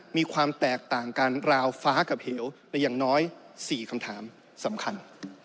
มีความแตกต่างกันราวฟ้ากับเหวแต่อย่างน้อย๔คำถามสำคัญ